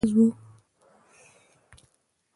د ټولنیزو سیستمونو او هنري مکتبونو مرکز و.